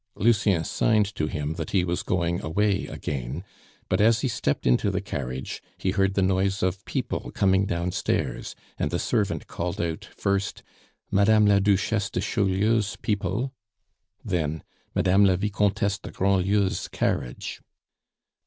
Lucien signed to him that he was going away again; but as he stepped into the carriage, he heard the noise of people coming downstairs, and the servant called out first, "Madame la Duchesse de Chaulieu's people," then "Madame la Vicomtesse de Grandlieu's carriage!"